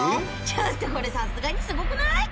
ちょっとこれさすがにすごくない？